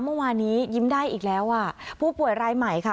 เมื่อวานนี้ยิ้มได้อีกแล้วอ่ะผู้ป่วยรายใหม่ค่ะ